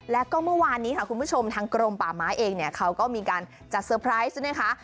แล้วก็เมื่อวานนี้ค่ะคุณผู้ชมทางกรมป่าไม้เองเนี่ยเขาก็มีการจัดเตอร์ไพรส์ใช่ไหมคะ